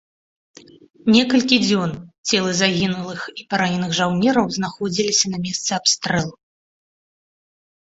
Некалькі дзён целы загінулых і параненых жаўнераў знаходзіліся на месцы абстрэлу.